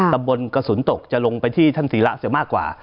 ตำบลกระสุนตกจะลงไปที่ท่านศีระเสียมากกว่า